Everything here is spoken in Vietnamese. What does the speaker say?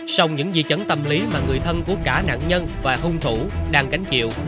xong những di chấn tâm lý mà người thân của cả nạn nhân và hung thủ đang gánh chịu